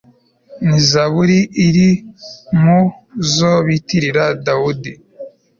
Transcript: ni zaburi iri mu zo bitirira dawudi